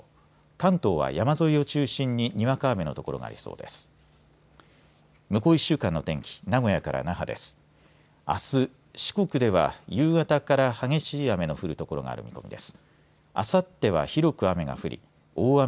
関東は山沿いを中心ににわか雨の所がありそうです。